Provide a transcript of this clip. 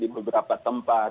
di beberapa tempat